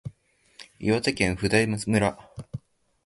岩手県普代村